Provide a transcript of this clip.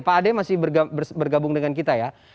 pak ade masih bergabung dengan kita ya